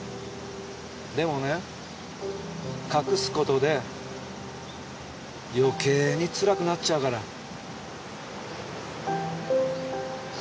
でもね隠すことで余計につらくなっちゃうから。